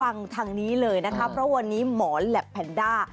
ฟังทางนี้เลยนะครับเพราะวันนี้หมอนและแพนด้า